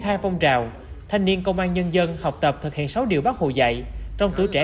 khai phong trào thanh niên công an nhân dân học tập thực hiện sáu điều bác hồ dạy trong tuổi trẻ